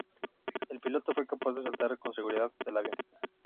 El piloto fue capaz de saltar con seguridad del avión.